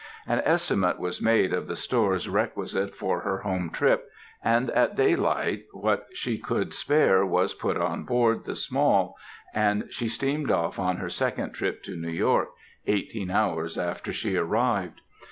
An estimate was made of the stores requisite for her home trip, and at daylight what she could spare was put on board the Small, and she steamed off on her second trip to New York, eighteen hours after she arrived.